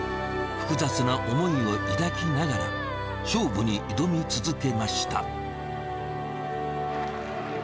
複雑な思いを抱きながら、勝負に挑み続けました。